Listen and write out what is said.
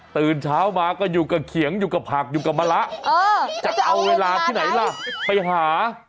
ตื่นเช้ามาก็อยู่กับเขียงอยู่กับผักอยู่กับมะละจะเอาเวลาที่ไหนล่ะไปหา